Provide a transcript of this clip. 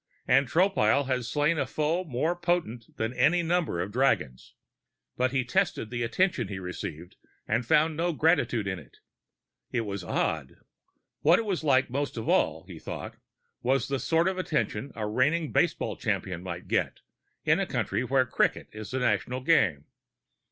And Tropile had slain a foe more potent than any number of dragons. But he tested the attention he received and found no gratitude in it. It was odd. What it was like most of all, he thought, was the sort of attention a reigning baseball champion might get in a country where cricket was the national game.